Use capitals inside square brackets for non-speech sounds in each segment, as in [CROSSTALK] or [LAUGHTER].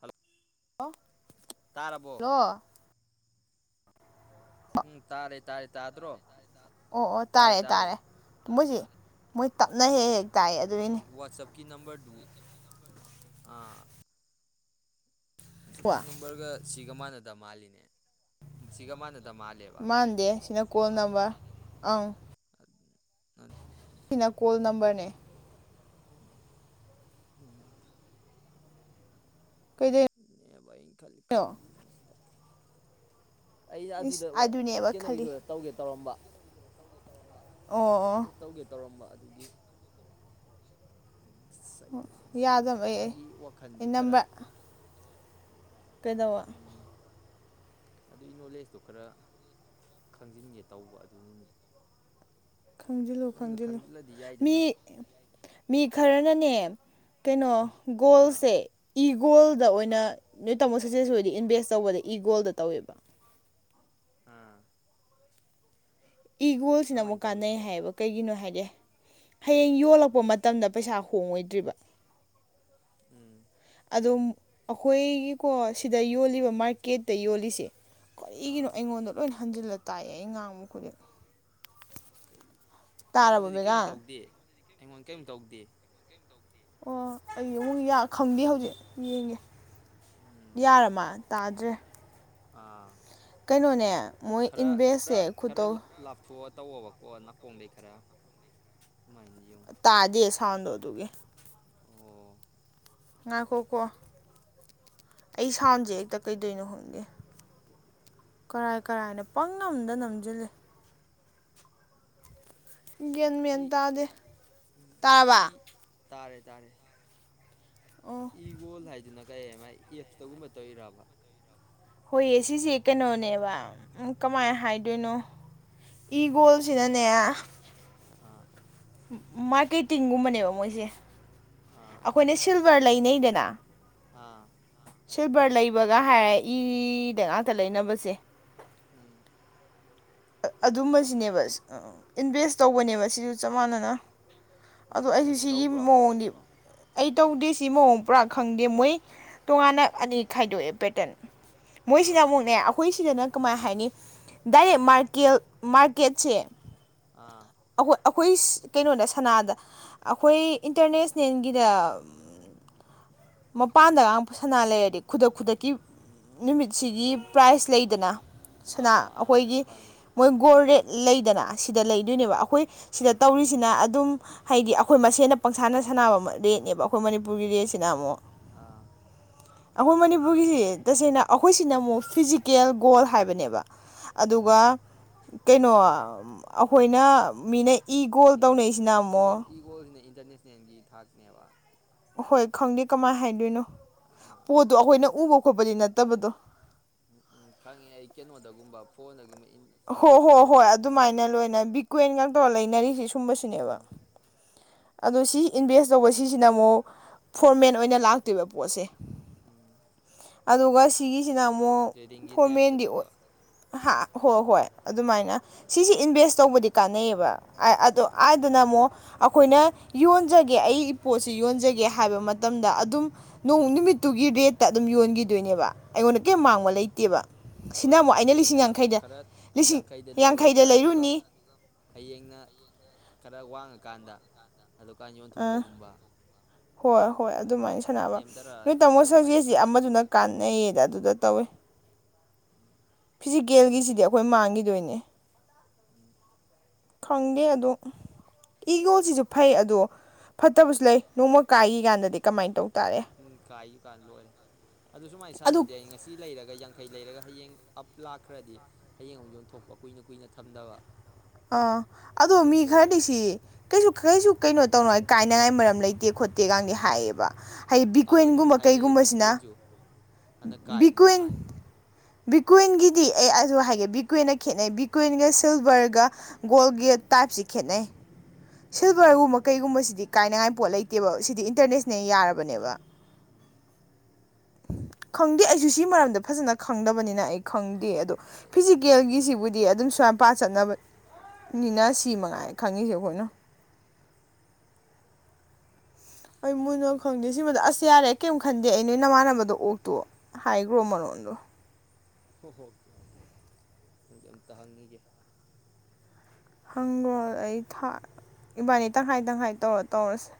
Hello [INAUDIBLE] ꯇꯥꯔꯕꯣ hello ꯎꯝ ꯇꯥꯔꯦ ꯇꯥꯔꯦꯇ ꯗ꯭ ꯔꯣ ꯑꯣ ꯑꯣ ꯇꯥꯔꯦ ꯇꯥꯔꯦ ꯃꯣꯏꯁꯤ ꯃꯣꯏ ꯇꯞꯅ ꯍꯦꯛ ꯍꯦ ꯇꯥꯏ ꯑꯗꯨꯅꯤ ꯀꯤ ꯅꯝꯕꯔꯗꯨ ꯑꯥ ꯋꯥ ꯅꯝꯕꯔ ꯒ ꯁꯤ ꯁꯤꯒꯃꯥꯟꯗ ꯃꯥꯂꯅꯦ ꯁꯤꯒꯃꯥꯟꯗ ꯃꯥꯟꯗꯦ ꯁꯤꯅ ꯀꯣꯜ ꯅꯝꯕꯔ ꯑꯪ ꯅ ꯁꯤꯅ ꯀꯣꯜ ꯅꯝꯕꯔꯅꯦ ꯎꯝ ꯀꯩꯗꯩꯅꯣ ꯅꯦꯕ ꯑꯩꯅ ꯈꯜ ꯈꯜꯂꯦꯕ ꯑꯩꯅ ꯏꯁ ꯑꯗꯨꯗ ꯋ ꯑꯗꯨꯅꯦꯕ ꯈꯜꯂꯤ ꯀꯩꯅꯣꯒꯤꯗꯨꯗ ꯇꯧꯒꯦ ꯇꯧꯔꯝꯕ ꯑꯣ ꯑꯣ ꯇꯧꯒꯦ ꯇꯧꯔꯝꯕ ꯒꯤ ꯑꯣ ꯌꯥꯗꯕꯩ ꯑꯩ ꯃꯥꯒꯤ ꯋꯥꯈꯜꯁꯦ ꯑꯩ ꯈꯔ ꯅꯝꯕꯔ ꯀꯩꯗꯧꯕ ꯑꯗꯨꯒꯤ ꯅꯣꯂꯦꯖꯇꯣ ꯈꯔ ꯈꯪꯖꯤꯟꯒꯦ ꯇꯧꯕ ꯑꯗꯨꯅꯅꯤ ꯈꯪꯖꯤꯜꯂꯣ ꯑꯗꯨ ꯈꯪꯖꯤꯜꯂꯣ ꯈꯪꯖꯤꯜꯂꯗꯤ ꯃꯤ ꯌꯥꯏꯗꯅ ꯃꯤ ꯈꯔꯅꯅꯦ ꯀꯩꯅꯣ ꯑꯥ ꯒꯣꯜꯁꯦ ꯏ ꯒꯣꯜꯗ ꯑꯣꯏꯅ ꯑꯥ ꯅꯣꯏ ꯇꯥꯃꯣ ꯁꯛꯁꯦꯁ ꯑꯣꯏꯗꯤ ꯏꯟꯚꯦꯁ ꯇꯧꯕꯗ ꯏꯒꯣꯜꯗ ꯇꯧꯋꯦꯕ꯫ ꯎꯝ ꯏꯒꯣꯜꯁꯤꯅ ꯑꯃꯨꯛ ꯀꯥꯟꯅꯩ ꯇꯧꯔꯤꯅꯣꯕ ꯍꯥꯏꯌꯦꯕ ꯀꯩꯒꯤꯅꯣ ꯍꯥꯏꯗꯤ ꯍꯌꯦꯡ ꯌꯣꯜꯂꯛꯄ ꯎꯝ ꯃꯇꯝꯗ ꯄꯩꯁꯥ ꯍꯣꯡꯉꯣꯏꯗ꯭ꯔꯤꯕ꯫ ꯎꯝ ꯑꯗꯨꯝ ꯑꯩꯈꯣꯏꯒꯤꯀꯣ ꯁꯤꯗ ꯌꯣꯜꯂꯤꯕ ꯃꯥꯔꯀꯦꯠꯇ ꯌꯣꯜꯂꯤꯁꯤ ꯑꯥ ꯀꯔꯤꯒꯤꯅꯣ ꯑꯩꯉꯣꯟꯗ ꯂꯣꯏꯅ ꯍꯟꯖꯤꯜꯂꯛ ꯇꯥꯛꯑꯦ ꯑꯩꯉꯥꯡꯕ ꯈꯨꯗꯤꯡ꯫ ꯀꯩ? ꯇꯥꯔꯕ ꯑꯩꯉꯣꯟꯗꯗꯤ ꯀꯦꯝ ꯃꯦꯒꯥꯝ ꯇꯧꯗꯦ ꯑꯩꯉꯣꯟ ꯀ꯭ꯌꯝ ꯇꯧꯗꯦ꯫ ꯑꯣ ꯑꯩ ꯑꯃꯨꯛ ꯌꯥ ꯈꯪꯗꯦ ꯍꯧꯖꯤꯛ ꯌꯦꯡꯒꯦ ꯎꯝ ꯌꯥꯔꯃꯥꯟ ꯇꯥꯗ꯭ꯔꯦ ꯑꯥ꯫ ꯀꯩꯅꯣꯅꯦ ꯃꯣꯏ ꯈꯔ ꯈꯔ ꯏꯟꯚꯦꯁꯁꯦ ꯈꯔ ꯈꯨꯇꯧ ꯂꯥꯞꯊꯣꯛꯑ ꯇꯧꯋꯣꯕꯀꯣ ꯅꯥꯀꯣꯡꯗꯩ ꯈꯔ ꯃꯥꯏꯅꯤꯌꯣꯡ ꯊꯥꯟꯗꯣ ꯑꯗꯨꯒꯤ ꯉꯥꯏꯈꯣꯀꯣ ꯑꯩ ꯁꯥꯎꯟꯖꯦ ꯍꯦꯛꯇ ꯀꯩꯗꯧꯏꯅꯣ ꯈꯪꯗꯦ ꯀꯔꯥꯏ -ꯀꯔꯥꯏꯅ ꯄꯪ ꯅꯝꯗ ꯅꯝꯖꯤꯜꯂꯦ ꯒ꯭ꯌꯥꯟ ꯃꯦꯟ ꯏ ꯇꯥꯗꯦ ꯇꯥꯔꯕ ꯏ ꯇꯥꯔꯦ -ꯇꯥꯔꯦ ꯑꯣ ꯏꯒꯣꯜ ꯍꯥꯏꯗꯨꯅ ꯀꯩ ꯃꯥꯥꯏ ꯑꯦꯐꯁꯇꯒꯨꯝꯕ ꯇꯧꯔꯤꯔꯕ ꯍꯣꯏꯌꯦ ꯁꯤꯁꯦ ꯀꯩꯅꯣꯅꯦꯕ ꯀꯃꯥꯏꯅ ꯍꯥꯏꯗꯣꯏꯅꯣ ꯏꯒꯣꯜꯁꯤꯅꯅꯦ ꯑꯥ꯫ ꯃ ꯃꯥꯔꯀꯦꯠꯇꯤꯡ ꯒꯨꯝꯕꯅꯦꯕ ꯃꯣꯏꯖꯦ ꯑꯥ ꯑꯈꯣꯏꯅ ꯁꯤꯜꯚꯔ ꯂꯩꯅꯩꯗꯅꯥ ꯑꯥ ꯁꯤꯜꯚꯔ ꯂꯩꯕꯒ ꯍꯥꯏꯔ ꯏ ꯗ ꯉꯥꯛꯇ ꯂꯩꯅꯕꯁꯦ ꯎꯝ꯫ ꯑꯗꯨꯝꯕꯁꯤꯅꯦꯕ ꯏꯟꯚꯦꯁ ꯇꯧꯕꯅꯦꯕ ꯁꯤꯁꯨ ꯆꯞ ꯃꯥꯟꯅꯅ ꯑꯥ ꯑꯗꯣ ꯑꯩꯖꯦ ꯅꯪꯁꯨ ꯁꯤꯒꯤ ꯇꯧꯕ꯭ꯔꯣ ꯃꯑꯣꯡ [UNINTELLIGIBLE] ꯑꯩ ꯇꯧꯗꯦ ꯁꯤ ꯃꯑꯣꯡ ꯄꯨꯔꯥ ꯈꯪꯗꯦ ꯃꯣꯏ ꯇꯣꯉꯥꯟꯅ ꯑꯅꯤ ꯈꯥꯏꯗꯣꯛꯑꯦ ꯄꯦꯇ꯭ꯔꯟ ꯃꯣꯏꯁꯤꯅ ꯑꯥ ꯑꯃꯨꯛꯅꯦ ꯑꯩꯈꯣꯏ ꯁꯤꯗꯅ ꯀꯃꯥꯏ ꯍꯥꯏꯅꯤ ꯗꯥꯏꯔꯦꯠ ꯃꯥꯠ ꯀꯦꯜ ꯃꯥꯔꯀꯦꯠꯁꯦ ꯑꯥ ꯍꯨꯏ꯭ꯁ ꯀꯩꯅꯣꯅꯦ ꯁꯅꯥꯗ ꯑꯩꯈꯣꯏ ꯏꯟꯇꯔꯅꯦꯁꯅꯦꯜꯒꯤꯗ ꯃꯄꯥꯟꯗ ꯉꯥꯡ ꯁꯅꯥ ꯂꯩꯔꯗꯤ ꯈꯨꯗꯛ-ꯈꯨꯗꯛꯀꯤ ꯅꯨꯃꯤꯠꯁꯤꯒꯤ ꯄ꯭ꯔꯥꯏꯖ ꯂꯩꯗꯅ ꯑꯥ ꯁꯅꯥ ꯑꯥ ꯑꯥ ꯑꯩꯈꯣꯏꯒꯤ ꯈꯪꯉꯦ ꯃꯣꯏ ꯎꯝ ꯒꯣꯔ ꯔꯦꯠ ꯂꯩꯗꯅ ꯁꯤꯗ ꯎꯝ ꯂꯩꯗꯣꯏꯅꯦꯕ ꯑꯩꯈꯣꯏ ꯁꯤꯗ ꯑꯥ ꯇꯧꯔꯤꯁꯤꯅ ꯑꯗꯨꯝ ꯍꯥꯏꯗꯤ ꯄꯪꯁꯥꯟꯅ ꯁꯥꯟꯅꯕ ꯃꯔꯦꯅꯦꯕ ꯃꯅꯤꯄꯨꯔꯒꯤ ꯁꯥꯟꯅꯕ ꯑꯩꯈꯣꯏ ꯃꯁꯦꯟꯅ ꯄꯪꯁꯥꯟꯗ ꯁꯥꯟꯅꯕ ꯔꯦꯠꯅꯦꯕ ꯑꯩꯈꯣꯏ ꯃꯅꯤꯄꯨꯔꯒꯤ ꯔꯦꯠꯁꯤꯅ ꯑꯃꯨꯛ ꯑꯥ ꯑꯩꯈꯣꯏ ꯃꯅꯤꯄꯨꯔꯒꯤꯁꯦ ꯇꯁꯦꯡꯅ ꯑꯩꯈꯣꯏꯁꯤꯅ ꯑꯃꯨꯛ ꯐꯤꯖꯤꯀꯦꯜ ꯒꯣꯜ ꯍꯥꯏꯕꯅꯦꯕ ꯎꯝ ꯑꯗꯨꯒ ꯀꯩꯅꯣ ꯑꯩꯈꯣꯏꯅ ꯃꯤꯅ ꯏ ꯒꯣꯜ ꯇꯧꯅꯩꯁꯤꯅ ꯑꯃꯨꯛ ꯏꯟꯇꯔꯅꯦꯁꯟꯅꯦꯜ ꯊꯥꯛꯅꯦꯕ ꯍꯣꯏ ꯈꯪꯗꯦ ꯀꯃꯥꯏꯅ ꯍꯥꯏꯗꯣꯏꯅꯣ ꯄꯣꯠꯇꯣ ꯑꯩꯈꯣꯏꯅ ꯎꯕ ꯈꯣꯠꯄꯗꯤ ꯅꯠꯇꯕꯗꯣ ꯎꯝ ꯎꯝ ꯈꯪꯉꯦ ꯑꯩ ꯀꯩꯅꯣꯗꯒꯨꯝꯕ ꯐꯣꯟꯗꯒꯤꯒꯨꯝꯕ ꯍꯣ ꯍꯣ ꯍꯣꯏ ꯑꯗꯨꯃꯥꯏꯅ ꯂꯣꯏꯅ ꯇ꯭ꯔꯦꯟꯒ ꯕꯤꯀ꯭ꯋ ꯗꯣ ꯇꯧꯔ ꯂꯩꯅꯔꯤꯁꯤ ꯂꯩꯅꯔꯤꯁꯤꯅ ꯑꯥ ꯁꯨꯝꯕꯁꯤꯅꯦꯕ ꯑꯗꯣ ꯁꯤ ꯏꯟꯚꯦꯁ ꯇꯧꯕ ꯁꯤꯁꯤꯅ ꯑꯃꯨꯛ ꯐꯣꯔꯃꯦꯟ ꯑꯣꯏꯅ ꯂꯥꯛꯇꯣꯏꯕ ꯄꯣꯠꯁꯦ ꯎꯝ ꯑꯗꯨꯒ ꯁꯤꯒꯤ ꯁꯤꯅ ꯑꯃꯨꯛ ꯇ꯭ꯔꯦꯗꯤꯡꯒꯤ ꯐꯣꯔꯃꯦꯟꯗꯤ ꯑꯣꯏ ꯇꯥꯏꯞꯇꯅꯦꯕ ꯍꯥ ꯍꯣꯏ ꯍꯣꯏ ꯑꯗꯨꯃꯥꯏꯅ ꯎꯝ ꯁꯤꯁꯤ ꯏꯟꯚꯦꯁ ꯇꯧꯕꯗꯤ ꯀꯥꯟꯅꯩꯌꯦꯕ ꯑꯩ ꯑꯗꯨ ꯎꯝ ꯍꯥꯏꯗꯅ ꯍꯥꯏꯗꯨꯅ ꯑꯃꯨꯛ ꯑꯩꯈꯣꯏꯅ ꯌꯣꯟꯖꯒꯦ ꯑꯩ ꯄꯣꯠꯁꯤ ꯌꯣꯟꯖꯒꯦ ꯍꯥꯏꯕ ꯃꯇꯝꯗ ꯑꯗꯨꯝ ꯅꯣꯡ ꯅꯨꯃꯤꯠꯇꯨꯒꯤ ꯔꯦꯠꯇ ꯑꯗꯨꯝ ꯌꯣꯟꯒꯤꯗꯣꯏꯅꯦꯕ ꯑꯩꯉꯣꯟꯗ ꯀꯔꯤꯝ ꯃꯥꯡꯕ ꯑꯥ ꯂꯩꯇꯦꯕ ꯁꯤꯅ ꯍꯣꯏ ꯑꯃꯨꯛ ꯉꯁꯤ ꯑꯩꯅ ꯂꯤꯁꯤꯡ ꯌꯥꯡꯈꯩꯗ ꯈꯔ ꯂꯤꯁꯤꯡ ꯌꯥꯡꯈꯩꯗ ꯂꯧꯔꯒ ꯑꯗꯨꯒ ꯂꯩꯔꯨꯅꯤ ꯍꯌꯦꯡꯅ ꯈꯔ ꯋꯥꯡꯉꯀꯥꯟꯗ ꯑꯗꯨꯀꯥꯟ ꯑ ꯌꯣꯟꯊꯣꯛꯄꯒꯨꯝꯕ ꯍꯣꯏ ꯍꯣꯏ ꯑꯗꯨꯃꯥꯏꯅ ꯇꯧꯕ ꯁꯥꯟꯅꯕ ꯅꯦꯝꯊꯔ ꯅꯣꯏ ꯇꯥꯃꯣ ꯑꯗꯨꯃꯥꯏꯅ ꯁꯁꯦꯁꯤ ꯁꯥꯟꯅ ꯑꯃꯗꯨꯅ ꯀꯥꯟꯅꯩꯌꯦꯅ ꯑꯗꯨꯗ ꯇꯧꯋꯦ ꯎꯝ ꯀꯃꯥꯏꯅ ꯐꯤꯖꯤꯀꯦꯜꯒꯤꯁꯤꯗꯤ ꯇꯧꯔꯤꯖꯥꯠꯅꯣ ꯑꯩꯈꯣꯏ ꯃꯥꯡꯈꯤꯗꯣꯏꯅꯦ ꯎꯝ ꯈꯪꯗꯦ ꯑꯗꯣ ꯏꯒꯣꯜꯁꯤꯁꯨ ꯐꯩ ꯑꯗꯣ ꯐꯠꯇꯕꯁꯨ ꯂꯩ ꯅꯣꯡꯃ ꯀꯥꯏꯈꯤ ꯀꯥꯟꯗꯗꯤ ꯀꯃꯥꯏꯅ ꯇꯧ ꯇꯥꯔꯦ ꯑꯗꯨꯝ ꯀꯥꯏ ꯀꯥꯟ ꯂꯣꯏꯔꯦ ꯑꯗꯨ ꯁꯨꯃꯥꯏꯅ ꯑꯗꯨ ꯁꯥꯟꯅꯕꯗꯤ ꯑꯩ ꯉꯁꯤ ꯂꯩꯔꯒ ꯌꯥꯡꯈꯩ ꯂꯩꯔꯒ ꯍꯌꯦꯡ ꯑꯞ ꯂꯥꯛꯈ꯭ꯔꯗꯤ ꯍꯌꯦꯡ ꯑꯃꯨꯛ ꯌꯣꯟꯊꯣꯛꯄ ꯀꯨꯏꯅ ꯀꯨꯏꯅ ꯊꯝꯗꯕ ꯑꯥ ꯑꯗꯣ ꯃꯤ ꯑꯗꯨꯒꯨꯝꯕ ꯈꯔꯗꯤ ꯑꯣꯏꯔꯗꯤ ꯁꯤ ꯀꯩꯁꯨ ꯎꯝ ꯀꯩꯁꯨ ꯀꯩꯅꯣ ꯇꯧꯅꯉꯥꯏ ꯀꯥꯏꯅꯉꯥꯏ ꯃꯔꯝ ꯂꯩꯇꯦ ꯈꯣꯠꯇꯦꯒꯗꯤ ꯍꯥꯏꯌꯦꯕ ꯍꯥꯏꯗꯤ ꯎꯝ ꯑꯗ ꯑꯗꯨꯗꯤ ꯕꯤꯠꯀꯣꯏꯟꯒꯨꯝꯕ ꯍꯥꯏꯅꯩ ꯀꯩꯒꯨꯝꯕꯁꯤꯅ ꯕꯤꯠꯀꯣꯏꯟꯁꯨ ꯍꯥꯟꯅ ꯕꯤꯀꯣꯏꯟ ꯀꯥꯏꯔꯤꯗꯨꯗꯤ ꯕꯤꯠꯀꯣꯏꯟꯒꯤꯗꯤ ꯑꯩ ꯑꯗꯨ ꯍꯥꯏꯒꯦ ꯕꯤꯠꯀꯣꯏꯟꯒ ꯈꯦꯠꯅꯩ ꯕꯤꯠꯀꯣꯏꯟꯒ ꯁꯤꯜꯚꯔꯒ ꯒꯣꯜꯒꯤ ꯇꯥꯏꯞꯁꯤ ꯈꯦꯠꯅꯩ ꯎꯝ ꯁꯤꯜꯚꯔꯒꯨꯝꯕ ꯀꯩꯒꯨꯝꯕꯁꯤꯗꯤ ꯁꯤꯗꯤ ꯀꯥꯏꯅꯉꯥꯏ ꯄꯣꯠ ꯂꯩꯇꯦꯕ ꯁꯤꯗꯤ ꯏꯟꯇꯔꯅꯦꯁꯅꯦꯜ ꯌꯥꯔꯕꯅꯦꯕ ꯎꯝ ꯈꯪꯗꯦ ꯑꯩꯁꯨ ꯁꯤ ꯃꯔꯝꯗ ꯐꯖꯅ ꯈꯪꯗꯕꯅꯤꯅ ꯑꯩ ꯈꯪꯗꯦ ꯑꯗꯣ ꯑꯩ ꯑꯗꯨꯏ ꯄꯣꯠꯇꯨ ꯐꯤꯖꯤꯀꯦꯜꯒꯤꯁꯤꯕꯨꯗꯤ ꯈꯔ ꯑꯗꯨꯝ ꯁꯨꯃꯥꯏꯅꯄꯥ ꯆꯠꯅꯕ ꯅꯤꯅ ꯁꯤ ꯃꯉꯥꯏ ꯈꯪꯉꯤꯁꯦ ꯑꯩꯈꯣꯏꯅ ꯎꯝ ꯑꯩꯣꯏ ꯃꯨꯅꯣ ꯈꯪꯗꯦ ꯑꯗꯨꯏꯗꯨꯃ ꯁꯤꯃꯗ ꯑꯁ ꯌꯥꯔꯦ ꯀꯩꯝ ꯈꯟꯗꯦ ꯑꯩ ꯅꯣꯏ ꯅꯃꯥꯟꯅꯕꯗꯣ ꯑꯣꯛꯇꯣ ꯍꯥꯏꯈ꯭ꯔꯣ ꯃꯔꯣꯟꯗꯣ ꯍꯣꯏ ꯍꯣꯏꯀꯦꯪꯖꯤ ꯑꯝꯇ ꯍꯪꯅꯤꯒꯦ ꯍꯪꯈ꯭ꯔꯣ ꯑꯩ ꯏꯕꯥꯅꯤ ꯇꯪꯈꯥꯏ ꯇꯪꯈꯥꯏ ꯇꯧꯔ ꯇꯧꯔꯁꯦ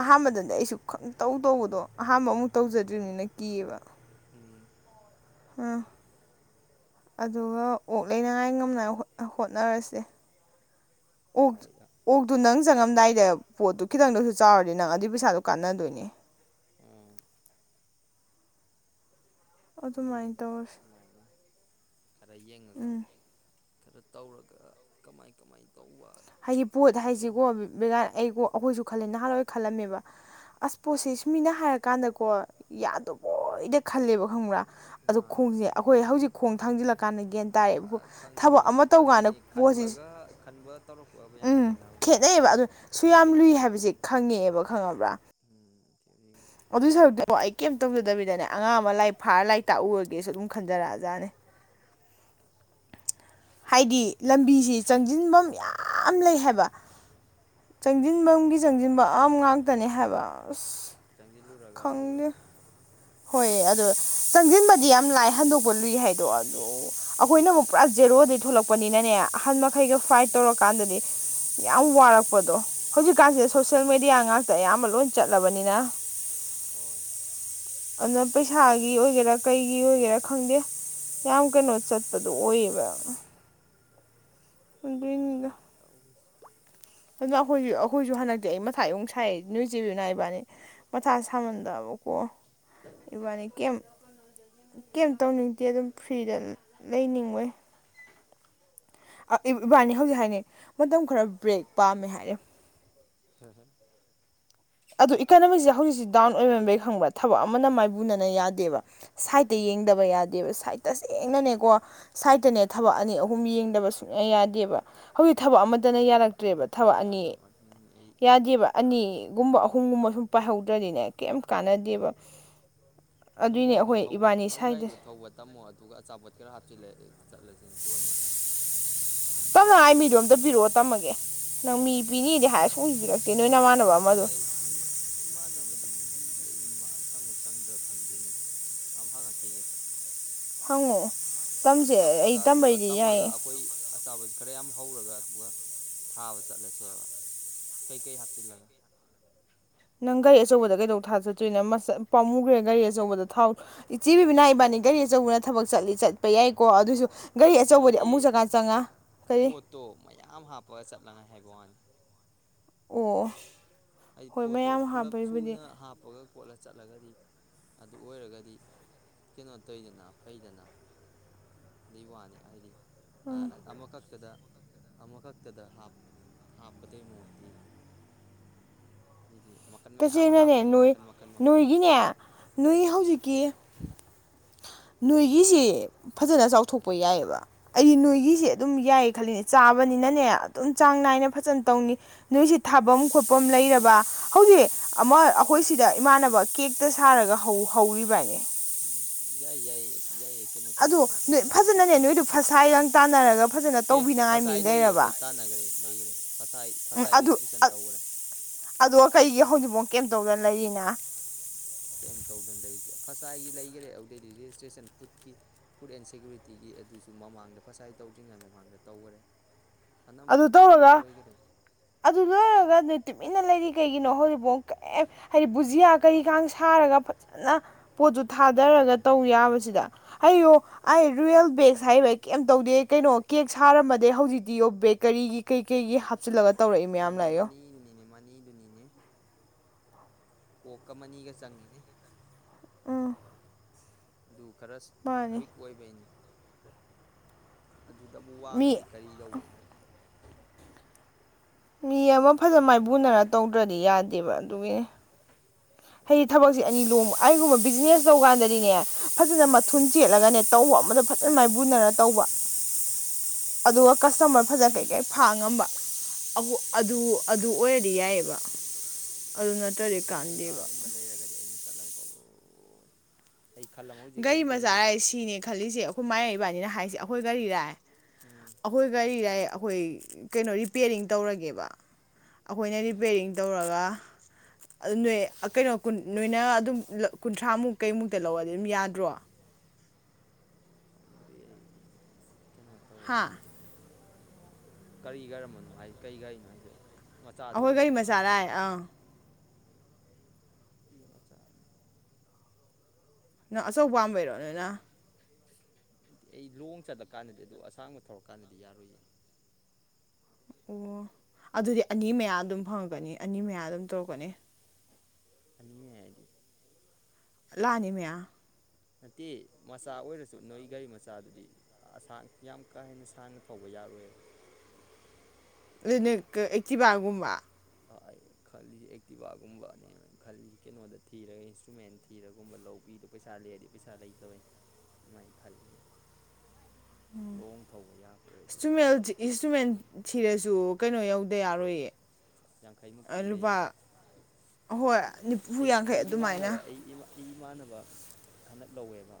ꯑꯍꯥꯥꯟꯕꯗꯗꯤ ꯑꯩꯁꯨ ꯈꯪꯇꯧ ꯇꯧꯕꯗꯣ ꯑꯍꯥꯟꯕ ꯑꯃꯨꯛ ꯇꯧꯖꯗ꯭ꯔꯤꯕꯅꯤꯅ ꯀꯤꯌꯦꯕ ꯎꯝ ꯎꯝ ꯑꯗꯨꯒ ꯑꯣꯛ ꯂꯩꯅꯉꯥꯏ ꯉꯝꯅꯉꯥꯏ ꯍꯣꯠꯅꯔꯁꯦ ꯑꯣꯛ ꯍꯣꯏ ꯑꯣꯛꯇꯣ ꯅꯪ ꯆꯪꯉꯝꯗꯥꯏꯗ ꯄꯣꯠꯇꯨ ꯈꯤꯇꯪꯗꯁꯨ ꯆꯥꯎꯔꯗꯤ ꯅꯪ ꯑꯗꯨꯏ ꯄꯩꯁꯥꯗꯨꯣ ꯀꯥꯟꯅꯗꯣꯏꯅꯦ ꯑꯥ ꯑꯗꯨꯗꯃꯥꯏꯗꯣ ꯈꯔꯌꯦꯉꯒ ꯈꯔ ꯇꯧꯔꯒ ꯀꯃꯥꯏ ꯀꯃꯥꯏ ꯇꯧꯕ ꯍꯥꯏꯗꯤ ꯄꯣꯠ ꯈꯪꯗꯦꯅꯦ ꯍꯥꯏꯁꯤꯀꯣ [INAUDIBLE] ꯑꯩꯣ ꯑꯩꯈꯣꯏꯁꯨ ꯈꯜꯂꯦ ꯅꯍꯥꯟꯋꯥꯏ ꯈꯜꯂꯝꯃꯦꯕ ꯑꯁ ꯄꯣꯠꯁꯦ ꯁꯨꯃꯤꯅ ꯍꯥꯏꯔꯀꯥꯟꯗꯀꯣ ꯌꯥꯗꯕꯣꯏꯗ ꯈꯜꯂꯦꯕ ꯈꯪꯕ꯭ꯔꯥ ꯑꯗꯨ ꯃꯥꯅꯤ ꯈꯣꯡꯁꯦ ꯑꯩꯈꯣꯏ ꯍꯧꯖꯤꯛ ꯈꯣꯡ ꯊꯥꯡꯖꯤꯜꯂꯛ ꯀꯥꯟꯅꯒꯅ ꯇꯥꯔꯦ ꯊꯕꯛ ꯈꯪꯉꯦ ꯑꯃ ꯇꯧꯀꯥꯟꯗ ꯑꯗꯨꯅꯤ ꯄꯣꯠꯁꯤ ꯈꯟꯕꯒ ꯈꯟꯕꯒ ꯇꯧꯔꯛꯄꯒ ꯌꯥꯝ ꯎꯝ ꯈꯦꯠꯅꯕꯅꯤ ꯈꯦꯅꯩꯌꯦꯕ ꯑꯗꯨꯣ ꯁꯨ ꯌꯥꯝ ꯐꯤꯖꯤꯀꯦꯜꯒ ꯂꯨꯏ ꯍꯥꯏꯕꯁꯦ ꯄ꯭ꯔꯦꯛꯇꯤꯀꯦꯜ ꯈꯪꯉꯦꯕ ꯈꯪꯉꯕ꯭ꯔꯥ ꯎꯝ ꯑꯗꯨ ꯑꯗꯨ ꯁꯔꯗ ꯀꯩꯝ ꯇꯧꯖꯗꯕꯤꯗꯅꯦ ꯑꯉꯥꯡ ꯑꯃ ꯂꯥꯏꯔꯤꯛ ꯐꯥꯔ ꯂꯥꯏꯔꯤꯛ ꯇꯥꯛꯎꯔꯒꯦꯁꯨ ꯑꯗꯨꯝ ꯈꯟꯖꯔꯛꯑꯖꯥꯠꯅꯦ ꯍꯥꯏꯗꯤ ꯂꯝꯕꯤꯁꯤ ꯆꯪꯁꯤꯟꯐꯝ ꯌꯥꯝ ꯂꯩ ꯍꯥꯏꯕ ꯎꯝ ꯆꯪꯁꯤꯟꯐꯝꯒꯤ ꯆꯪꯁꯤꯟꯐꯝ ꯑ ꯉꯥꯛꯇꯅꯦ ꯍꯥꯏꯕ ꯑꯁ ꯆꯪꯁꯤꯜꯂꯨꯔꯒ ꯇꯧꯕꯗꯣ ꯈꯪꯗꯦ ꯍꯣꯏ ꯑꯗꯣ ꯆꯪꯁꯤꯟꯕꯗꯤ ꯌꯥꯝ ꯂꯥꯛꯑ ꯍꯟꯗꯣꯛꯄ ꯂꯨꯏ ꯍꯥꯏꯗꯣ ꯑꯗ ꯎꯝ ꯑꯩꯈꯣꯏꯅꯕꯨꯄ꯭ꯔꯥꯁꯖꯦꯔꯣ ꯊꯣꯛꯂꯛꯄꯅꯤꯅꯅꯦ ꯑꯍꯥꯟꯕ ꯃꯈꯩꯒ ꯐꯥꯏꯠ ꯎꯝ ꯇꯧꯔꯀꯥꯟꯗꯗꯤ ꯌꯥꯝ ꯋꯥꯔꯛꯄꯗꯣ ꯍꯧꯖꯤꯛꯀꯥꯟꯁꯤꯗ ꯁꯣꯁꯦꯜ ꯑꯥ ꯃꯦꯗꯤꯌꯥ ꯉꯥꯛꯇ ꯑꯌꯥꯝꯕ ꯂꯣꯏꯅ ꯆꯠꯂꯕꯅꯤꯅ ꯍꯣꯏ ꯑꯗꯨꯅ ꯄꯩꯁꯥꯒꯤ ꯑꯣꯏꯒꯦꯔꯥ ꯀꯩꯒꯤ ꯑꯣꯏꯒꯦꯔꯥ ꯈꯪꯗꯦ ꯌꯥꯝ ꯀꯩꯅꯣ ꯆꯠꯄꯗꯣ ꯑꯣꯏꯌꯦꯕ ꯑꯗꯨꯏꯅꯤꯗ ꯅꯤ ꯇꯎꯔꯤꯁ ꯑꯗꯨꯅ ꯑꯩꯈꯣꯏꯁꯨ ꯑꯩꯈꯣꯏꯁꯨ ꯍꯟꯗꯛꯇꯤ ꯑꯩ ꯃꯊꯥ ꯌꯨꯛ ꯁꯥꯏ ꯅꯣꯏ ꯆꯦꯕꯤꯅ ꯏꯕꯥꯅꯤ ꯃꯊꯥ ꯁꯥꯃꯟꯗꯕꯀꯣ ꯏꯕꯥꯅꯤ ꯀꯩ ꯀꯩ ꯇꯧꯅꯤꯡꯗꯦ ꯑꯗꯨꯝ ꯐ꯭ꯔꯤꯗ ꯂꯩꯅꯤꯡꯉꯣꯏ ꯏꯕꯥꯅꯤ ꯍꯧꯖꯤꯛ ꯍꯥꯏꯅꯤ ꯃꯇꯝ ꯈꯔ ꯕ꯭ꯔꯦꯛ ꯄꯥꯝꯃꯦ ꯍꯥꯏꯔꯦ ꯍꯝ ꯍꯝ ꯑꯗꯣ ꯏꯀꯅꯣꯃꯤꯛꯁꯦ ꯍꯧꯖꯤꯛꯁꯦ ꯗꯥꯎꯟ ꯑꯣꯏꯔꯝꯕꯩ ꯈꯪꯕ꯭ꯔ ꯊꯕꯛ ꯑꯃꯅ ꯃꯥꯏꯕꯨꯅꯅ ꯌꯥꯗꯦꯕ ꯁꯥꯏꯗꯠꯇ ꯌꯦꯡꯗꯕ ꯌꯥꯗꯦꯕ ꯎꯝ ꯁꯥꯏꯗꯠꯇꯁꯦꯡꯅꯅꯦꯀꯣ ꯁꯥꯏꯠꯇꯅꯦ ꯊꯕꯛ ꯑꯅꯤ ꯑꯍꯨꯝ ꯌꯦꯡꯗꯕ ꯁꯨꯛꯌꯥ ꯌꯥꯗꯦꯕ ꯍꯧꯖꯤꯛ ꯊꯕꯛ ꯑꯃꯇꯅ ꯌꯥꯔꯛꯇ ꯅꯠꯇ꯭ꯔꯦꯕ ꯑꯃꯠꯇꯅ ꯊꯕꯛ ꯑꯅꯤ ꯌꯥꯗꯕ ꯑꯗꯨꯅꯤ ꯑꯩ ꯌꯥꯗꯦꯕ ꯑꯅꯤ ꯕ ꯑꯍꯨꯝꯒꯨꯝꯕ ꯁꯨꯝ ꯄꯥꯏꯍꯧꯗ꯭ꯔꯗꯤꯅꯦ ꯀꯩ ꯀꯥꯟꯅꯗꯦꯕ ꯅꯣꯏ ꯑꯗꯨꯏꯅꯦ ꯒꯥꯔꯤꯗꯨ ꯑꯩꯈꯣꯏ ꯏꯕꯥꯅꯤ ꯅꯣꯏ ꯁꯥꯏꯗ ꯒꯥꯔꯤꯗꯨ ꯊꯧꯕ ꯇꯝꯃꯣ ꯑꯗꯨꯒ ꯑꯆꯥꯄꯣꯠ ꯈꯔ ꯍꯥꯞꯆꯤꯜꯂ ꯆꯠꯂꯁꯤ ꯁꯤꯡ ꯌꯣꯟꯕ ꯇꯞꯅ ꯑꯩ ꯃꯤꯗꯣꯝꯇ ꯄꯤꯔꯛꯑꯣ ꯇꯝꯃꯒꯦ ꯅꯪ ꯃꯤ ꯄꯤꯅꯤꯗꯤ ꯍꯥꯏꯔ ꯁꯕꯤꯔꯁꯤꯦ ꯇꯝꯅ ꯏꯃꯥꯟꯅꯕꯗꯨꯕꯨ ꯗꯤ ꯂꯩꯕꯅꯤ ꯃꯥ ꯆꯪꯉꯨ ꯆꯪꯗ꯭ꯔꯥ ꯈꯪꯗꯦꯅꯦ ꯑ ꯍꯥꯡꯉꯛꯈꯤꯒꯦ ꯐꯉꯣ ꯇꯝꯃꯒ ꯑꯗꯨ ꯇꯝꯃꯒ ꯌꯥꯏꯌꯦ ꯑꯩꯈꯣꯏ ꯑꯆꯥꯕꯁꯨ ꯈꯔ ꯌꯥꯝ ꯍꯧꯔꯒ ꯑꯗꯨꯒ ꯊꯥꯕ ꯆꯠꯂꯁꯦꯕ ꯀꯩꯀꯩ ꯍꯥꯞꯆꯤꯜꯂꯒ ꯅꯪ ꯒꯥꯔꯤ ꯑꯆꯧꯕꯗ ꯀꯩꯗꯧ ꯊꯥ ꯆꯠꯇꯣꯏꯣ ꯃ ꯄꯥꯃꯨꯈ꯭ꯔꯦ ꯒꯥꯔꯤ ꯑꯆꯧꯕꯗ ꯊꯥꯎ ꯏꯆꯦꯕꯤ ꯕꯤꯅꯥ ꯏꯕꯥꯅꯤ ꯒꯥꯔꯤ ꯑꯆꯧꯕꯅ ꯊꯕꯛ ꯆꯠꯂꯤ ꯆꯠꯄ ꯌꯥꯏꯀꯣ ꯑꯗꯨꯏꯁꯨ ꯒꯥꯔꯤ ꯑꯆꯧꯕꯗꯤ ꯅꯠꯇꯦ ꯑꯃꯨꯛ ꯆꯪꯉꯥ ꯆꯪꯉꯥ ꯀꯔꯤ ꯄꯣꯠꯇꯣ ꯃꯌꯥꯝ ꯍꯥꯞꯄꯒ ꯆꯠꯂꯉꯥꯏ ꯍꯥꯏꯕ ꯟ ꯑꯣ ꯍꯥꯏꯗꯤ ꯍꯣꯏ ꯄꯣꯠꯇꯣ ꯃꯌꯥꯝ ꯄꯨꯜꯂꯞ ꯍꯥꯞꯄꯩꯕꯨꯗꯤ ꯁꯨꯅ ꯍꯥꯞꯄꯒ ꯄꯣꯠꯂ ꯆꯠꯂꯒꯗꯤ ꯑꯗꯨ ꯑꯣꯏꯔꯒꯗꯤ ꯀꯩꯅꯣ ꯇꯧꯗꯅ ꯐꯩꯗꯅ ꯑꯗꯨ ꯋꯥꯅꯤ ꯑꯩꯗꯤ ꯑꯃ ꯀꯞ ꯀꯗ ꯑꯃꯈꯛꯇꯗ ꯍꯥꯞꯀꯗꯣꯏ ꯃꯨꯠꯇꯤ ꯇꯁꯦꯡꯅꯅꯦ ꯅꯣꯏ ꯃꯈꯟ ꯃꯈꯟ ꯃꯈꯟ ꯅꯣꯏꯒꯤꯅꯦ ꯅꯣꯏ ꯍꯧꯖꯤꯛꯀꯤ ꯅꯣꯏꯒꯤꯁꯦ ꯐꯖꯅ ꯆꯥꯎꯊꯣꯛꯄ ꯌꯥꯏꯑꯕ ꯑꯩ ꯅꯣꯏꯒꯤꯁꯦ ꯑꯗꯨꯝ ꯌꯥꯏꯌꯦ ꯈꯜꯂꯤꯅꯦ ꯆꯥꯕꯅꯤꯅꯅꯦ ꯑꯗꯨꯝ ꯆꯥꯡ ꯅꯥꯏꯅ ꯐꯖꯅ ꯇꯧꯅꯤ ꯅꯣꯏꯁꯤ ꯊꯥꯐꯝ ꯈꯣꯠꯐꯝ ꯂꯩꯔꯕ ꯍꯧꯖꯤꯛ ꯑꯃ ꯑꯩꯈꯣꯏ ꯁꯤꯗ ꯏꯃꯥꯟꯅꯕ ꯀꯦꯛꯇ ꯁꯥꯔꯒ ꯍꯧꯔꯤꯕꯅꯦ ꯎꯝ ꯌꯥꯏ ꯌꯥꯏ ꯌꯥꯏ ꯀꯩꯅꯣ ꯑꯗꯣ ꯇꯧꯗꯣꯏꯅꯤ ꯅꯣꯏ ꯐꯖꯅ ꯐꯣꯀꯁ ꯐꯖꯅꯅꯦ ꯅꯣꯏꯗꯣ ꯄꯤꯗꯣꯏꯅꯤ ꯐꯁꯥꯏꯒ ꯇꯥꯟꯅꯔꯒ ꯐꯖꯅ ꯀꯦ ꯇꯧꯕꯤꯅꯉꯥꯏ ꯐꯁꯥꯏ ꯃꯤ ꯂꯩꯌꯦ ꯑꯩꯈꯣꯏ ꯂꯩꯔꯕ ꯇꯥꯟꯅꯈ꯭ꯔꯦ ꯂꯩꯈ꯭ꯔꯦ ꯐꯁꯥꯏ ꯎꯝ ꯐꯁꯥꯏ ꯔꯦꯖꯤꯁꯇ꯭ꯔꯦꯁꯟ ꯇꯧꯈ꯭ꯔꯦ ꯑꯗꯨ ꯑ ꯀꯩꯒꯤ ꯍꯧꯖꯤꯛꯐꯥꯎ ꯀꯩꯝꯇꯧꯗꯅ ꯂꯩꯔꯤꯅ ꯀꯩꯝ ꯇꯧꯗꯅ ꯂꯩꯔꯤꯁꯦ ꯐꯁꯥꯏꯒꯤ ꯂꯩꯈꯔꯦ ꯑꯗꯨꯗꯩꯗꯤ ꯔꯦꯖꯤꯁꯇ꯭ꯔꯦꯁꯟ ꯐꯨꯗꯀꯤ ꯐꯨꯗ ꯑꯦꯟ ꯁꯦꯀꯨꯔꯤꯇꯤꯒꯤ ꯑꯗꯨꯁꯨ ꯃꯃꯥꯡꯗ ꯐꯁꯥꯏ ꯇꯧꯗ꯭ꯔꯤꯉꯩ ꯃꯃꯥꯡꯗ ꯇꯧꯈꯔꯦ ꯑꯅꯝ ꯑꯗꯨ ꯄꯨꯂꯞ ꯂꯣꯏ ꯇꯧꯔꯒ ꯂꯣꯏꯈꯔꯦ ꯑꯗꯨ ꯂꯣꯏꯔꯒ ꯇꯨꯃꯤꯟꯅ ꯂꯩꯔꯤ ꯀꯩꯒꯤꯅꯣ ꯍꯧꯖꯤꯛꯐꯥꯎ ꯀꯩ ꯍꯥꯏꯗꯤ ꯕꯨꯖꯤꯌꯥ ꯀꯔꯤꯀ ꯁꯥꯔꯒ ꯐꯖꯅ ꯄꯣꯠꯇꯨ ꯊꯥꯗꯔꯒ ꯇꯧ ꯌꯥꯕꯁꯤꯗ ꯍꯥꯏꯌꯣ ꯑꯩ ꯔꯨꯌꯦꯜ ꯕꯦꯦꯛꯁ ꯍꯥꯏꯕ ꯀꯩꯝ ꯇꯧꯗꯦ ꯀꯩꯅꯣ ꯀꯦꯛ ꯁꯥꯔꯝꯃꯗꯦ ꯍꯧꯖꯤꯛꯇꯤꯌꯣ ꯕꯦꯒ ꯀꯔꯤꯒꯤ ꯀꯩ ꯀꯩꯒꯤ ꯍꯥꯞꯆꯤꯜꯂꯒ ꯇꯧꯔꯛꯏ ꯃꯌꯥꯝ ꯂꯥꯛꯑꯦ ꯌꯣ ꯃꯅꯤꯔꯤꯅꯤꯅꯦ ꯃꯥ ꯀꯣꯛꯀ ꯑꯅꯤꯒ ꯆꯪꯉꯤꯅꯦ ꯎꯝ ꯗꯨ ꯈꯔ ꯃꯥꯅꯤ ꯋꯤꯛ ꯑꯣꯏꯕꯩꯅꯤ ꯑꯗꯨꯗꯕꯨ ꯃꯤ ꯋꯥꯡꯉꯗꯤ ꯀꯔꯤ ꯇꯅꯣꯅꯦ ꯃꯤ ꯑꯃ ꯐꯖꯅ ꯑꯩ ꯇꯝ ꯃꯥꯏꯕꯨꯅꯔ ꯇꯧꯗ꯭ꯔꯗꯤ ꯌꯥꯗꯦꯕ ꯎꯝ ꯑꯗꯨꯒꯤꯅꯤ ꯎꯝ ꯍꯥꯏꯗꯤ ꯑꯗꯨꯅꯤ ꯊꯕꯛꯁꯦ ꯑꯅꯤ ꯂꯣꯝ ꯑꯩꯒꯨꯝꯕ ꯕꯤꯖꯤꯅꯦꯁ ꯇꯧ ꯀꯥꯟꯗꯗꯤꯅꯦ ꯐꯖꯅ ꯎꯝ ꯃꯊꯨꯟ ꯆꯦꯠꯂꯒꯅꯦ ꯇꯧꯕ ꯑꯃꯗ ꯐꯖꯅ ꯃꯥꯏꯕꯨꯟꯅꯔ ꯇꯧꯕ ꯑꯗꯨꯒ ꯀꯁꯇꯃꯔ ꯐꯖꯅ ꯀꯩꯀꯩ ꯐꯥ ꯉꯝꯕ ꯑꯗꯨ ꯑꯗꯨ ꯑꯣꯏꯔꯗꯤ ꯌꯥꯏꯑꯦꯕ ꯑꯗꯨ ꯅꯠꯇꯔ꯭ꯗꯤ ꯎꯝ ꯒꯥꯔꯤ ꯀꯥꯟꯗꯦ ꯃꯆꯥ ꯑꯃꯒꯨꯝꯕ ꯂꯩꯔꯒꯗꯤ ꯑꯩꯅ ꯆꯠ ꯈꯜꯂꯝꯃ ꯍꯧꯖꯤꯛ ꯒꯥꯔꯤ ꯑꯩ ꯃꯆꯥ ꯍꯥꯏ ꯁꯤꯅꯦ ꯈꯜꯂꯤꯁꯦ ꯑꯩꯈꯣꯏ ꯃꯥ ꯏꯕꯥꯅꯤꯅ ꯍꯥꯏꯁꯤ ꯑꯩꯈꯣꯏ ꯒꯥꯔꯤꯔ ꯎꯝ ꯑꯩꯈꯣꯏ ꯒꯥꯔꯤꯔꯌꯦ ꯑꯩꯈꯣꯏ ꯀꯩꯅꯣ ꯔꯤꯄꯦꯔꯤꯡ ꯇꯧꯔꯒꯦꯕ ꯑꯩꯈꯣꯏꯅ ꯔꯤꯄꯦꯔꯤꯡ ꯇꯧꯔꯒ ꯑꯗꯨ ꯅꯣꯏ ꯀꯩꯅꯣ ꯅꯣꯏꯅ ꯑꯗꯨꯝ ꯀꯨꯟꯊ꯭ꯔꯥꯃꯨꯛ ꯀꯩꯃꯨꯛꯇ ꯂꯧꯔꯗꯤ ꯑꯗꯨꯝ ꯌꯥꯗ꯭ꯔꯣ [INAUDIBLE] ꯀꯩꯅꯣ ꯍꯥ ꯇꯧꯔꯒ ꯀꯔꯤ ꯀꯔꯝꯕꯅꯣ ꯍꯥꯏꯁꯦ ꯀꯔꯤ ꯒꯥꯔꯤꯅꯣ ꯍꯥꯏꯁꯦ ꯑꯩꯈꯣꯏ ꯃꯆꯥꯗꯨꯔꯣ ꯒꯥꯔꯤ ꯃꯆꯥꯔꯥꯏ ꯑꯥꯡ ꯀꯤ ꯃꯆꯥꯅꯤ ꯅꯪ ꯑꯆꯧ ꯄꯥꯝꯕꯩꯔꯣ ꯅꯣꯏꯅ ꯑꯩ ꯂꯨꯍꯣꯡ ꯆꯠꯂ ꯀꯥꯟꯗꯗꯤ ꯑꯗꯨ ꯑꯁꯥꯡꯕ ꯊꯧꯔꯀꯥꯟꯗꯗꯤ ꯌꯥꯔꯣꯏꯌꯦ ꯑꯣ ꯑꯗꯨꯗꯤ ꯑꯅꯤ ꯃꯌꯥ ꯑꯗꯨꯝ ꯐꯪꯉꯛꯀꯅꯤ ꯑꯅꯤ ꯃꯌꯥ ꯑꯗꯨꯝ ꯇꯧꯔꯛꯀꯅꯤ ꯑꯅꯤ ꯃꯌꯥ ꯍꯥꯏꯗꯤ ꯂꯥꯛ ꯑꯅꯤ ꯃꯌꯥ ꯅꯠꯇꯦ ꯃꯆꯥ ꯑꯣꯏꯔꯁꯨ ꯅꯣꯏ ꯒꯥꯔꯤ ꯃꯆꯥꯗꯨꯗꯤ ꯑꯁꯥꯡ ꯌꯥꯝ ꯀꯥ ꯍꯦꯟꯅ ꯁꯥꯡꯅ ꯊꯧꯕ ꯌꯥꯔꯣꯏꯕ ꯑꯗꯨꯅ ꯀꯩ ꯑꯦꯛꯇꯤꯚꯥꯒꯨꯝꯕ ꯑꯩ ꯈꯜꯂꯤꯁꯦ ꯑꯦꯛꯇꯤꯚꯒꯨꯝꯕꯅꯦ ꯈꯜꯂꯤꯁꯦ ꯀꯩꯅꯣꯗ ꯊꯤꯔꯒ ꯏꯟꯁꯇ꯭ꯔꯨꯃꯦꯟ ꯊꯤꯔꯒꯨꯝꯕ ꯂꯧꯕꯤꯗꯣ ꯄꯩꯁꯥ ꯂꯩꯔꯗꯤ ꯄꯩꯁꯥ ꯂꯩꯇꯕꯩ ꯑꯗꯨꯃꯥꯏꯅ ꯈꯜꯂꯤꯅꯦ ꯑꯣꯏꯔꯗꯤ ꯏꯁꯇꯨꯃꯦꯜꯖꯤꯒꯤ ꯏꯟꯇ꯭ꯔꯨꯃꯦꯟ ꯊꯤꯔꯁꯨ ꯀꯩꯅꯣ ꯌꯧꯗ ꯌꯥꯔꯣꯏꯌꯦ ꯌꯥꯡꯈꯩꯃꯨꯛ ꯄꯤꯗ ꯂꯨꯄꯥ ꯌꯥꯗꯦ ꯍꯣꯏ ꯅꯤꯐꯨ ꯑꯩ ꯌꯥꯡꯈꯩ ꯑꯩ ꯑꯗꯨꯃꯥꯏꯅ ꯏꯃꯥꯟꯅꯕ ꯑꯩ ꯏꯃꯥꯟꯅꯕ ꯍꯟꯗꯛ ꯂꯧꯋꯦꯕ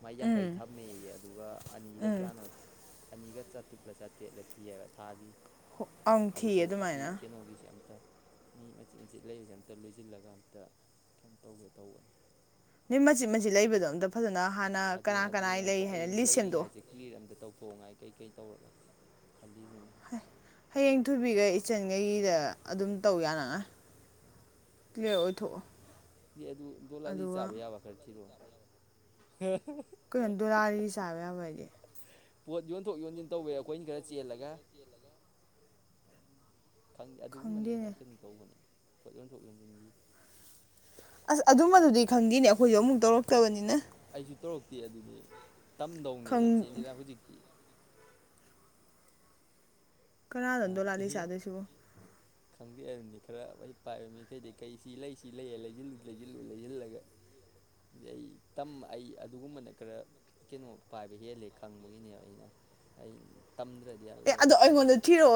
ꯃꯥꯏ ꯌꯥꯡꯈꯩ ꯎꯝ ꯊꯝꯃꯦꯌꯦ ꯑꯗꯨꯒ ꯑꯅꯤꯒ ꯎꯝ ꯀꯌꯥꯅꯣ ꯑꯅꯤꯒ ꯆꯥꯇ꯭ꯔꯨꯛꯂ ꯆꯥꯇ꯭ꯔꯦꯠꯂ ꯊꯤꯑꯪꯪꯩꯕ ꯊꯥꯒꯤ ꯑꯪ ꯊꯤꯌꯦ ꯑꯗꯨꯃꯥꯏꯅ ꯎ ꯃꯆꯦꯠ ꯃꯆꯦꯠ ꯂꯩꯕꯁꯦ ꯑꯝꯇ ꯂꯣꯏꯁꯤꯜꯂꯒ ꯗ ꯀꯩꯝ ꯇꯧꯒꯦ ꯇꯧꯕꯅꯤ ꯃꯆꯤꯠ ꯃꯆꯤꯠ ꯂꯩꯕꯗꯣ ꯑꯝꯇ ꯐꯖꯅ ꯍꯥꯟꯅ ꯑꯗꯨꯅꯤ ꯀꯅꯥ ꯑꯗꯨꯅꯤ ꯀꯅꯥꯏ ꯑꯝꯇ ꯂꯩ ꯍꯥꯏꯅ ꯑꯩꯅ ꯂꯤꯁ ꯁꯦꯝꯗꯣꯛꯑꯣ ꯂꯩꯔꯤꯉꯥꯏꯁꯦ ꯀ꯭ꯂꯤꯔ ꯑꯝꯇ ꯇꯧꯊꯣꯛꯉꯥꯏ ꯀꯩꯀꯩ ꯇꯧꯔꯒ ꯈꯜꯂꯤꯁꯤꯅꯤ ꯍꯌꯦꯡ ꯊꯣꯏꯕꯤꯒ ꯆꯦꯟꯈꯩꯗ ꯑꯗꯨꯝ ꯇꯧ ꯌꯥꯅꯉꯥꯏ [UNINTELLIGIBLE] ꯂꯑꯣ ꯊ ꯁꯤ ꯑꯗꯨ ꯗꯣꯂꯥꯂꯤ ꯆꯥꯕ ꯌꯥꯕ ꯈꯔ ꯊꯤꯔꯣ ꯍꯝ ꯀꯩꯅꯣ ꯗꯣꯂꯥꯔꯤ ꯁꯥꯕ ꯌꯥꯕ ꯑꯗꯤ ꯄꯣ ꯌꯖꯤꯣꯟ ꯌꯊꯣꯛ ꯌꯣꯟꯁꯤꯟ ꯇꯧꯋꯦ ꯑꯩꯈꯣꯏꯅ ꯈꯔ ꯆꯦꯜꯂꯒ ꯈꯪꯗꯦ ꯈꯪꯗꯦꯅꯦ ꯑꯗꯨꯒꯨꯝꯕꯅꯦꯅ ꯀꯩꯅꯣꯝ ꯇꯧꯕꯅꯦ ꯄꯣꯠ ꯌꯣꯟꯊꯣꯛꯅꯤꯡꯅꯤꯡꯏ ꯑꯁ ꯑꯗꯨꯝꯕꯗꯨꯗꯤ ꯈꯪꯗꯦꯅꯦ ꯑꯩꯈꯣꯏꯁꯨ ꯑꯃꯨꯛ ꯇꯧꯔꯛꯇꯕꯅꯤꯅ ꯑꯩꯁꯨ ꯇꯧꯔꯛꯇꯦ ꯑꯗꯨꯗꯤ ꯇꯝꯗꯧꯅꯦ ꯈꯪ ꯆꯦꯟꯁꯤꯔ ꯍꯧꯖꯤꯛꯇꯤ ꯀꯅꯥ ꯙꯟꯗꯣ ꯂꯥꯂꯤ ꯑꯦꯍꯦ ꯁꯥꯗꯦꯁꯨꯨ ꯈꯪꯗꯦ ꯑꯗꯨꯅꯤ ꯈꯔ ꯍ ꯄꯥꯏꯕ ꯃꯤꯈꯩꯗꯤ ꯀꯩ ꯁꯤ ꯂꯩ ꯁꯤ ꯂꯩ ꯂꯩꯁꯤꯜꯂꯨ ꯂꯩꯁꯤꯜꯂꯨ ꯂꯩꯁꯤꯜꯂꯒ ꯑꯩ ꯇ ꯑꯩ ꯑꯗꯨꯒꯨꯝꯕꯅ ꯈꯔ ꯀꯩꯅꯣ ꯄꯥꯏꯕ ꯍꯦꯜꯂꯦ ꯈꯪꯕꯒꯤꯅꯦꯕ ꯑꯩꯅ ꯑꯩ ꯇꯝꯗ꯭ꯔꯗꯤ ꯑꯦ ꯑꯗꯣ ꯌꯥꯔꯣꯏꯗꯧꯔꯤ ꯑꯩꯉꯣꯟꯗ ꯈꯜꯂꯤꯁꯦ ꯊꯤꯔꯛꯑꯣ